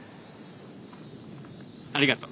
ありがとう。